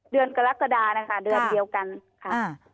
กรกฎานะคะเดือนเดียวกันค่ะ